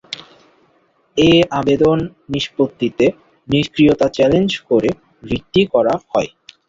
এ আবেদন নিষ্পত্তিতে নিষ্ক্রিয়তা চ্যালেঞ্জ করে রিটটি করা হয়।